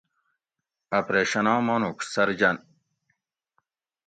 اپریشناں مانوڄ (سرجن)